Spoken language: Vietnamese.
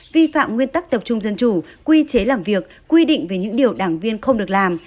vi phạm nguyên tắc tập trung dân chủ quy chế làm việc quy định về những điều đảng viên không được làm